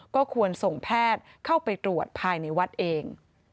ก็ควรส่งแพทย์เข้าไปตรวจภายในวัดเอง